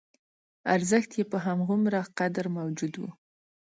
ارزښت یې په همغومره قدر موجود و.